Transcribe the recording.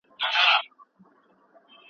که شننه ونه شي نو خطر زیاتیږي.